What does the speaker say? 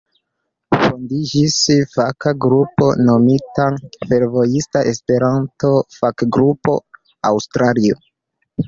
Fondiĝis faka grupo nomita "Fervojista Esperanto-Fakgrupo Aŭstrio".